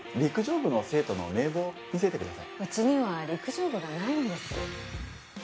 陸上部の生徒の名簿を見せてくださいうちには陸上部がないんです